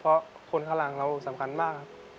เพราะคนข้างหลังเราสำคัญมากครับ